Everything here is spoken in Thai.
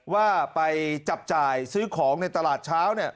ว่าไปจับจ่ายซื้อของในตลาดเช้า